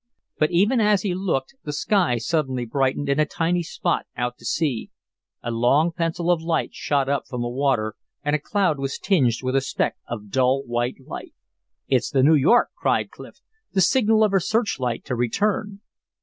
But even as he looked the sky suddenly brightened in a tiny spot out to sea. A long pencil of light shot up from the water, and a cloud was tinged with a speck of dull white light. "It's the New York!" cried Clif. "The signal of her searchlight to return."